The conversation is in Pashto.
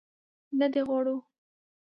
نه دې غواړو.